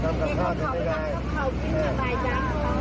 ถ้าเข้าไปทำกับข้าวบ้ายจ๋าแปลว่า